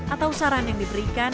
atau saran yang diberikan